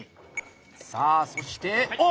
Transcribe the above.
さあそしてお！